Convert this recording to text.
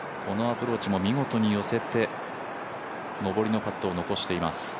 このアプローチも見事に寄せて上りのパットを残しています。